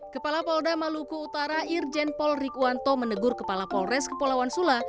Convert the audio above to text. kepala polda maluku utara irjen pol rikuwanto menegur kepala polres kepulauan sula